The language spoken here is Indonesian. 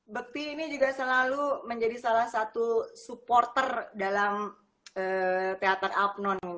bekti ini juga selalu menjadi salah satu supporter dalam teater abnon